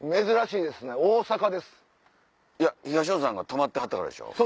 いや東野さんが泊まってはったからでしょ。